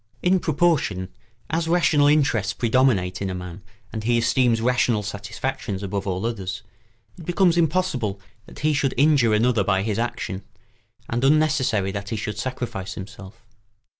In proportion as rational interests predominate in a man and he esteems rational satisfactions above all others, it becomes impossible that he should injure another by his action, and unnecessary that he should sacrifice himself.